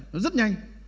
nó rất nhanh